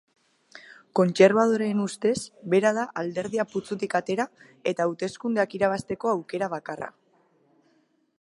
Kontserbadoreen ustez, bera da alderdia putzutik atera eta hauteskundeak irabazteko aukera bakarra.